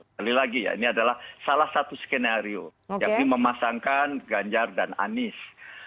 sekali lagi ya ini adalah salah satu skenario yang dimemasangkan ganjar dan anis